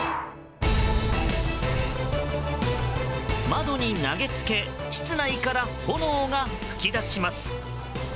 窓に投げつけ室内から炎が噴き出します。